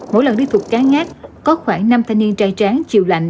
mỗi lần đi thuộc cá ngát có khoảng năm thanh niên trai tráng chịu lạnh